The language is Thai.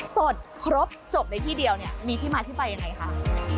สดครบจบในที่เดียวเนี่ยมีที่มาที่ไปยังไงคะ